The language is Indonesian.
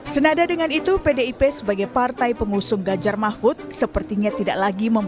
senada dengan itu pdip sebagai partai pengusung ganjar mahfud sepertinya tidak lagi memperoleh